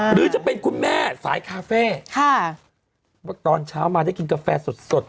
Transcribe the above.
หรือจะเป็นคุณแม่สายคาเฟ่ตอนเช้ามาได้กินกาแฟสด